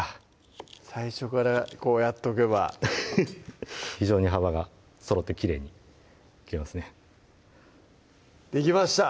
最初からこうやっとけばフフッ非常に幅がそろってきれいに切れますねできました